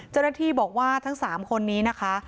เจ้าหน้าที่บอกว่าทั้ง๓คนนี้นะคะ